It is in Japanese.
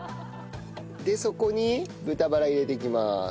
でそこに豚バラ入れていきます。